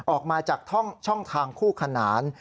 ออกมาจากช่องทางคู่ขนาน